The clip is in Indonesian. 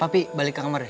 papi balik ke kamar